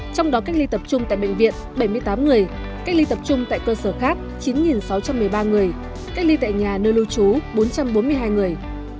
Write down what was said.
trong đó cách ly tập trung tại bệnh viện bảy mươi tám người cách ly tập trung tại cơ sở khác chín sáu trăm một mươi ba người cách ly tại nhà nơi lưu trú bốn trăm bốn mươi hai người